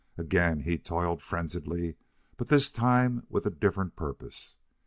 And again he toiled frenziedly, but this time with a different purpose.